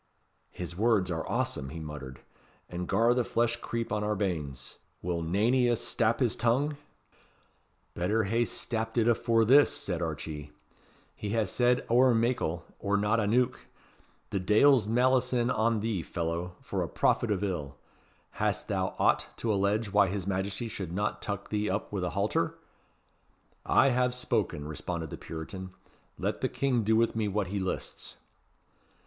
"His words are awsome," he muttered, "and gar the flesh creep on our banes. Will nane o' ye stap his tongue?" "Better hae stapt it afore this," said Archee; "he has said ower meikle, or not aneuch, The Deil's malison on thee, fellow, for a prophet of ill! Hast thou aught to allege why his Majesty should not tuck thee up with a halter?" "I have spoken," responded the Puritan; "let the King do with me what he lists."